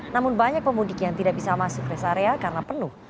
namun banyak pemudik yang tidak bisa masuk rest area karena penuh